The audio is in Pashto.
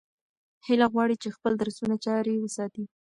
هیله غواړي چې خپل درسونه جاري وساتي.